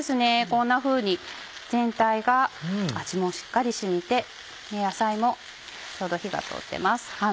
こんなふうに全体が味もしっかり染みて野菜もちょうど火が通ってます。